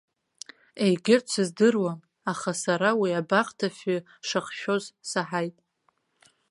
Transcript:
Егьырҭ сыздыруам, аха сара уи абахҭафҩы шахшәшәоз саҳаит.